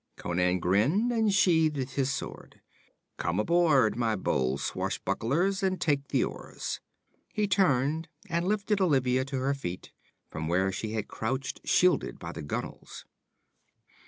Conan grinned and sheathed his sword. 'Come aboard, my bold swashbucklers, and take the oars.' He turned and lifted Olivia to her feet, from where she had crouched shielded by the gunwales.